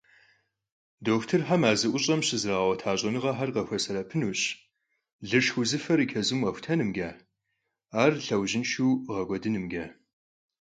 Дохутырхэм а зэӀущӀэм щызэрагъэгъуэта щӀэныгъэхэр къахуэсэбэпынущ лышх узыфэр и чэзум къэхутэнымкӀэ, ар лъэужьыншэу гъэкӀуэдынымкӀэ.